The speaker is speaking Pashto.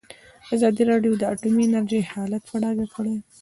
ازادي راډیو د اټومي انرژي حالت په ډاګه کړی.